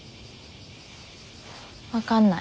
分かんない。